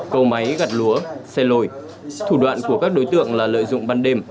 cầu máy gặt lúa xây lồi thủ đoạn của các đối tượng là lợi dụng ban đêm